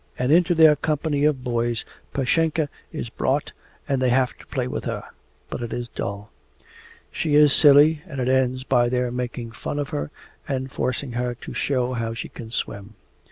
And into their company of boys Pashenka is brought and they have to play with her, but it is dull. She is silly, and it ends by their making fun of her and forcing her to show how she can swim.